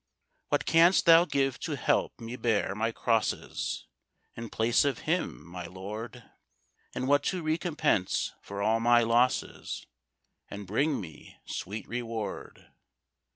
What canst thou give to help me bear my crosses, In place of Him, my Lord? And what to recompense for all my losses, And bring me sweet reward?